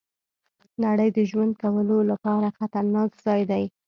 نړۍ د ژوند کولو لپاره خطرناک ځای دی.